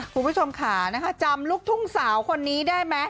คุณผู้ชมค่ะจำลูกทุ่งสาวคนนี้ได้ไหม